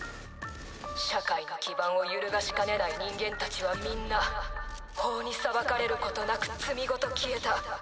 社会の基盤を揺るがしかねない人間たちは皆法に裁かれる事なく罪ごと消えた。